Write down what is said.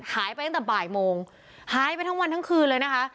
หายไปตั้งแต่บ่ายโมงหายไปทั้งวันทั้งคืนเลยนะคะ